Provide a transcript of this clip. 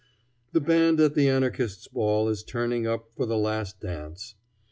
The band at the anarchists' ball is tuning up for the last dance.